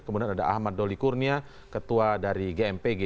kemudian ada ahmad doli kurnia ketua dari gmpg